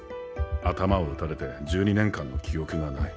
頭を撃たれて１２年間の記憶がない。